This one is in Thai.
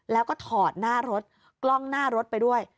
แล้วก็ถอดหน้ารถกล้องหน้ารถไปด้วย